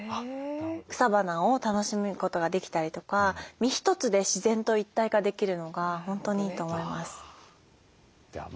草花を楽しむことができたりとか身一つで自然と一体化できるのが本当にいいと思います。